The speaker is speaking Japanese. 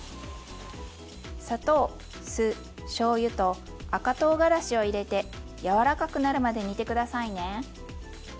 砂糖酢しょうゆと赤とうがらしを入れて柔らかくなるまで煮て下さいね。